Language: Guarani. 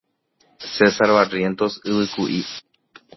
César Barrientos Yvykuʼi.